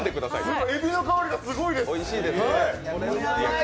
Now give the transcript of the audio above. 岡部かえびの香りがすごいです！